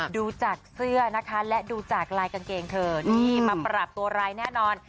ดูจากเสื้อนะคะและดูจากลายกางเกงเธอนี่มาปรับตัวร้ายแน่นอน